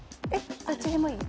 どっちでもいい。